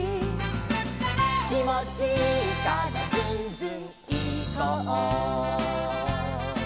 「きもちいいからズンズンいこう」